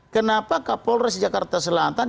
kenapa kapolres jakarta selatan